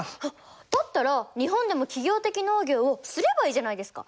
だったら日本でも企業的農業をすればいいじゃないですか。